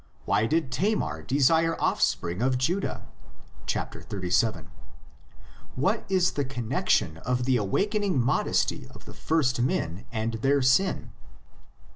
Why did Tamar desire offspring of Judah? (xxxvii.) What is the connexion of the awakening modesty of the first men and their sin?